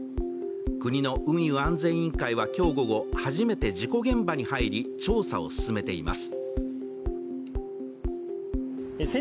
国の運輸安全委員会は今日午後、初めて事故現場に入り調査を進めています。